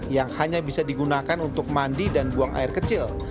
yang hanya bisa digunakan untuk mandi dan buang air kecil